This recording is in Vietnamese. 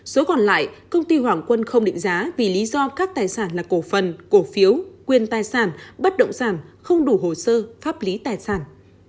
số còn lại công ty hoàng quân không định giá vì lý do các tài sản là cổ phần cổ phiếu quyền tài sản bất động sản không đủ hồ sơ pháp lý tài sản